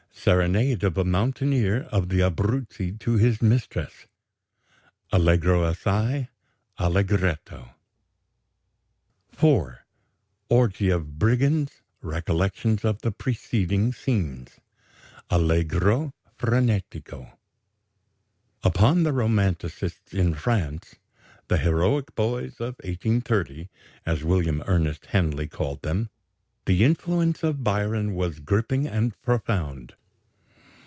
SERENADE OF A MOUNTAINEER OF THE ABRUZZI TO HIS MISTRESS (Allegro assai) (Allegretto) 4. ORGY OF BRIGANDS; RECOLLECTIONS OF THE PRECEDING SCENES (Allegro frenetico) Upon the romanticists in France "the heroic boys of 1830," as William Ernest Henley called them the influence of Byron was gripping and profound.